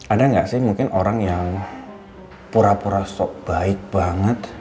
ada nggak sih mungkin orang yang pura pura sok baik banget